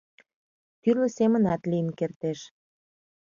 Тӱрлӧ семынат лийын кертеш.